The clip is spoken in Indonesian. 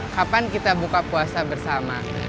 kapan kita buka puasa bersama